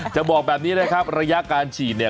จะบอกแบบนี้นะครับระยะการฉีดเนี่ย